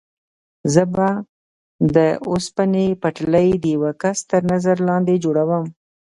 زه به د اوسپنې پټلۍ د یوه کس تر نظر لاندې جوړوم.